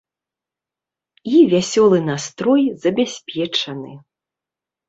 І вясёлы настрой забяспечаны.